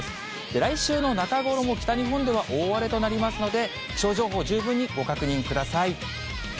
来週の中頃も北日本では大荒れとなりますので、気象情報、十分にご確認ください。